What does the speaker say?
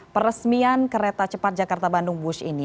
peresmian kereta cepat jakarta bandung bush ini